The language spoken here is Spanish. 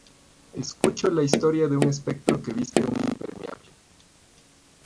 Escucho la historia de un espectro que viste un impermeable.